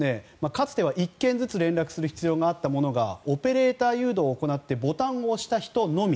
かつては、１件ずつ連絡する必要があったものがオペレーター誘導を行ってボタンを押した人のみ。